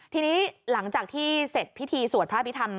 ทีนี้หลังจากที่เสร็จพิธีสวดพระอภิษฐรร